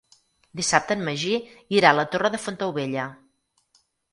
Dissabte en Magí irà a la Torre de Fontaubella.